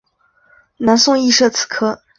南宋亦设此科。